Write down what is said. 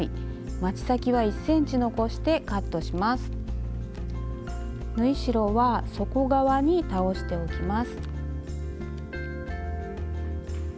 まちの縫い代はわき側に倒しておきます。